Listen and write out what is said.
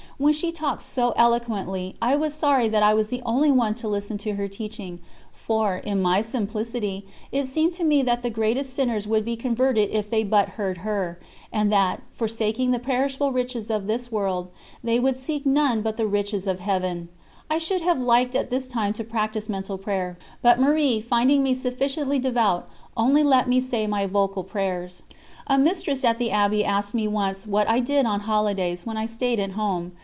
When she talked so eloquently, I was sorry that I was the only one to listen to her teaching, for, in my simplicity, it seemed to me that the greatest sinners would be converted if they but heard her, and that, forsaking the perishable riches of this world, they would seek none but the riches of Heaven. I should have liked at this time to practise mental prayer, but Marie, finding me sufficiently devout, only let me say my vocal prayers. A mistress at the Abbey asked me once what I did on holidays, when I stayed at home.